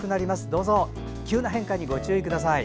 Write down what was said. どうぞ、急な変化にご注意ください。